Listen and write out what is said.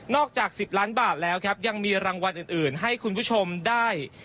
จาก๑๐ล้านบาทแล้วครับยังมีรางวัลอื่นให้คุณผู้ชมได้